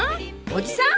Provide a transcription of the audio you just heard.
おじさん？